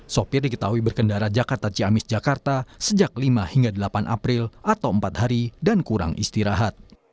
sopir diketahui berkendara jakarta ciamis jakarta sejak lima hingga delapan april atau empat hari dan kurang istirahat